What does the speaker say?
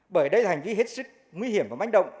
bởi đây là hành vi hết sức nguy hiểm và manh động